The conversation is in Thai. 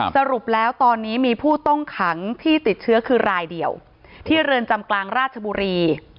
สรุปแล้วตอนนี้มีผู้ต้องขังที่ติดเชื้อคือรายเดียวที่เรือนจำกลางราชบุรี